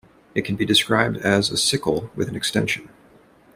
It can be described as a sickle with an extension.